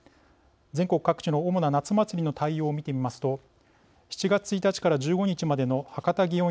全国各地の主な夏祭りの対応を見てみますと７月１日から１５日までの博多園